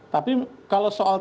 tapi kalau soal